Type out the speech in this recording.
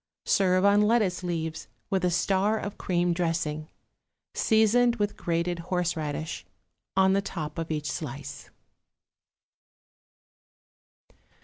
Serve on lettuce leaves with a star of cream dressing, seasoned with grated horseradish, on the top of each slice.